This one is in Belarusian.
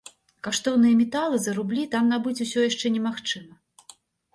Каштоўныя металы за рублі там набыць усё яшчэ немагчыма.